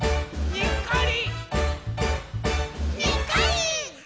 「にっこり！」